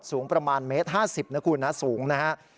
สูงประมาณ๑๕๐เมตรสูงนะครับ